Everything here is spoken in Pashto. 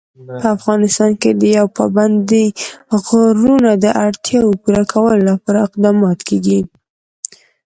په افغانستان کې د پابندی غرونه د اړتیاوو پوره کولو لپاره اقدامات کېږي.